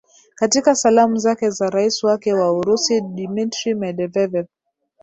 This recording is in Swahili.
katika salamu zake za raisi wake wa urusi dmitry medeveev